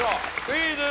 クイズ。